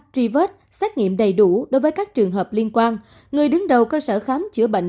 truy vết xét nghiệm đầy đủ đối với các trường hợp liên quan người đứng đầu cơ sở khám chữa bệnh